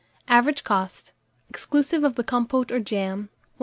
Average cost, exclusive of the compôte or jam, 1s.